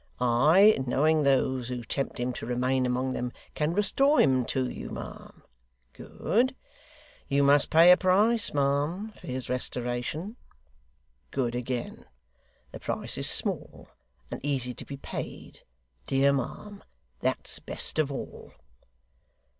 I, knowing those who tempt him to remain among them, can restore him to you, ma'am good. You must pay a price, ma'am, for his restoration good again. The price is small, and easy to be paid dear ma'am, that's best of all."